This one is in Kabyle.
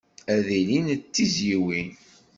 Ad ilin d tizzyiwin.